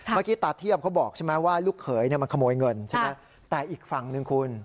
เมื่อกี้ตาเทียบเขาบอกใช่ไหมว่าลูกเขยเนี่ยมันขโมยเงินใช่ไหมแต่อีกฝั่งหนึ่งคุณ